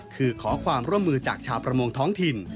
คือขอความร่วมมือจากชาวประมงท้องถิ่น